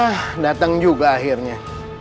nah datang juga akhirnya